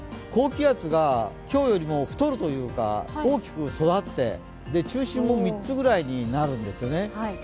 高気圧が今日より太るというか大きく育って、中心も３つぐらいになるんですね。